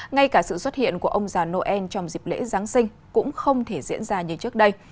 ngay cả sự xuất hiện của ông già noel trong dịp lễ giáng sinh cũng không thể diễn ra như trước đây